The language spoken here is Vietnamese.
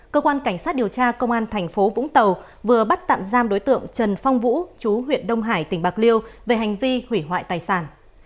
cơ quan cảnh sát điều tra công an thành phố vũng tàu vừa bắt tạm giam đối tượng trần phong vũ chú huyện đông hải tỉnh bạc liêu về hành vi hủy hoại tài sản